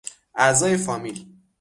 اعضای فامیل